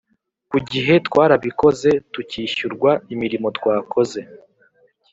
ku gihe Twarabikoze, tukishyurwa imirimo twakoze